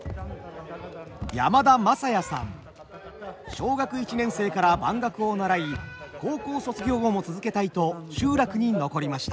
小学１年生から番楽を習い高校卒業後も続けたいと集落に残りました。